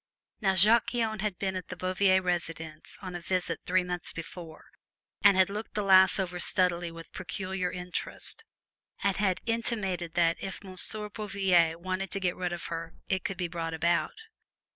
Now, Jacques Guyon had been at the Bouvier residence on a visit three months before, and had looked the lass over stealthily with peculiar interest, and had intimated that if Monsieur Bouvier wished to get rid of her it could be brought about.